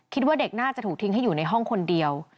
คิดว่าเด็กน่าจะถูกทิ้งให้อยู่ในห้องคนเดียว